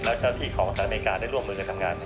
แล้วเจ้าที่ของสหรัฐอเมริกาได้ร่วมมือกันทำงาน